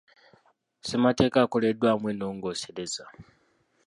Ssemateeka akoleddwamu ennongoosereza.